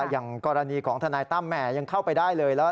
อย่างกรณีของทนายตั้มแห่ยังเข้าไปได้เลยแล้ว